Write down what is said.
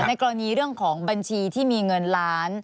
กรณีเรื่องของบัญชีที่มีเงินล้าน